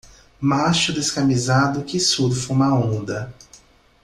Macho descamisado que surfa uma onda.